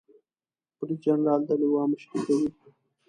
بریدجنرال د لوا مشري کوي